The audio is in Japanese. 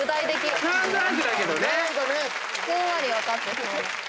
ふんわり分かってそう。